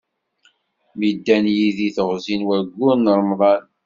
Mi d-ddan yidi i teɣzi n wayyur n Remḍan.